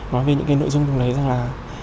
nói về những cái nội dung đấy rằng là